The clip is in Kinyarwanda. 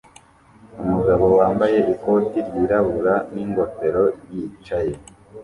Umugabo wambaye ikoti ryirabura n'ingofero yicaye